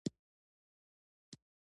انګرېزانو د مالټا ټاپو ته پوځونه لېږلي.